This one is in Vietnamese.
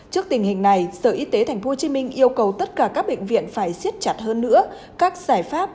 trước tình hình này sở y tế thành phố hồ chí minh yêu cầu tất cả các bệnh viện phải xiết chặt hơn nữa các giải pháp